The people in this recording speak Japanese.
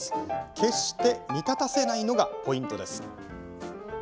決して煮立たせないのがポイントです。